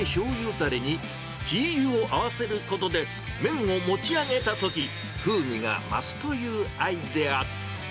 だれにチーユーを合わせることで、麺を持ち上げたとき、風味が増すというアイデア。